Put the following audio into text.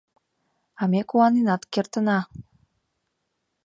— А ме куаненат кертына.